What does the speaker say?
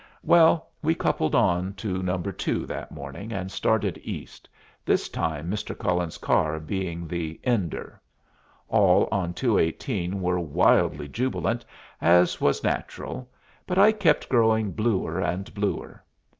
Well, we coupled on to No. 2 that morning and started East, this time Mr. Cullen's car being the "ender." All on 218 were wildly jubilant, as was natural, but I kept growing bluer and bluer.